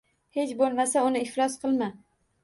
Hech bo‘lmasa uni iflos qilma.